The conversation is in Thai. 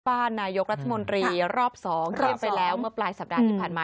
บ้านนายกรัฐมนตรีรอบ๒เริ่มไปแล้วเมื่อปลายสัปดาห์ที่ผ่านมา